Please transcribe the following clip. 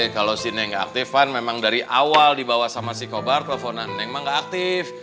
kalau si neng gak aktif kan memang dari awal dibawa sama si kobart lofona neng mah gak aktif